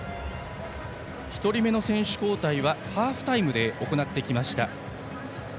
１人目の選手交代ハーフタイムで行ってきました。